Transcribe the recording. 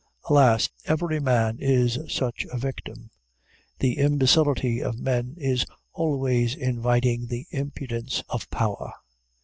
Alas! every man is such a victim. The imbecility of men is always inviting the impudence of power.